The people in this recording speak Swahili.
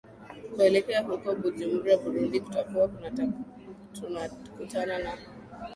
kuelekea huko bujumbura burundi tutakua tunakutana na